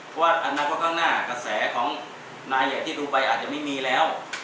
เพราะว่าอนาคตข้างหน้ากระแสของนายอย่างที่ดูไปอาจจะไม่มีแล้ว